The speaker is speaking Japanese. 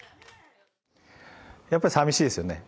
やっぱり寂しいですよね。